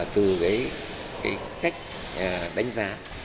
từ cái cách đánh giá